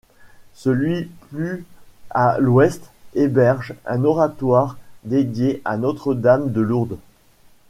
Celui plus à l'ouest héberge un oratoire dédié à Notre-Dame-de-Lourdes.